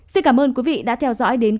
xin cảm ơn quý vị đã theo dõi đến